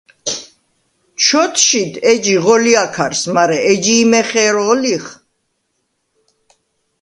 ჩ’ოთშიდ ეჯი ღოლჲა̄ქარს, მარა ეჯი იმ ეხე̄რო̄ლიხ?